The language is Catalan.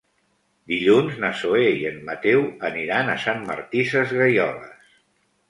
Dilluns na Zoè i en Mateu aniran a Sant Martí Sesgueioles.